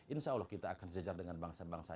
insya allah kita akan sejajar dengan bangsa bangsa